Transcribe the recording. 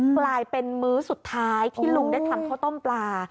กลายเป็นมื้อสุดท้ายที่ลุงได้ทำข้าวต้มปลา